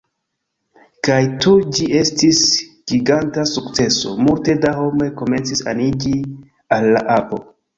Kaj tuj ĝi estis giganta sukceso! Multe da homoj komencis aniĝi al la apo